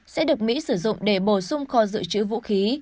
sẽ được mỹ sử dụng để bổ sung kho dự trữ vũ khí